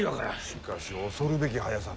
しかし恐るべき速さ。